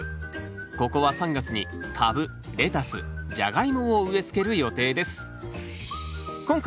ここは３月にカブレタスジャガイモを植えつける予定です。